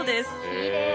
きれい。